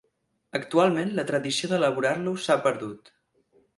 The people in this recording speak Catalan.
Actualment la tradició d'elaborar-lo s'ha perdut.